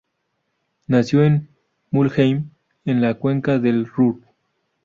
Nació en Mülheim, en la cuenca del Ruhr.